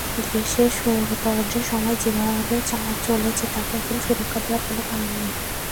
দেশে স্বৈরতন্ত্রের সময় যেভাবে চলেছে, তাকে এখন সুরক্ষা দেওয়ার কোনো কারণ নেই।